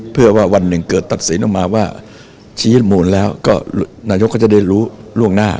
เพื่อว่าวันหนึ่งเกิดตัดสินออกมาว่าชี้มูลแล้วก็นายกก็จะได้รู้ล่วงหน้า